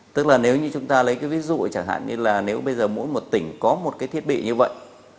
tức là nếu như chúng ta lấy cái ví dụ chẳng hạn như là nếu bây giờ mỗi một tỉnh có một cái thiết bị như vậy